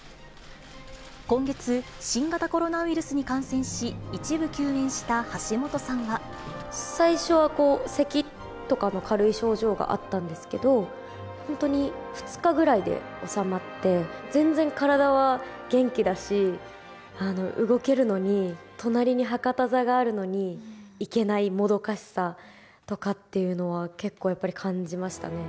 今月、新型コロナウイルスに感染し、最初は、せきとかの軽い症状があったんですけど、本当に、２日ぐらいで収まって、全然体は元気だし、動けるのに、隣に博多座があるのに、行けないもどかしさとかっていうのは、結構やっぱり感じましたね。